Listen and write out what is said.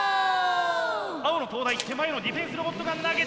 青の東大手前のディフェンスロボットが投げたはいらない。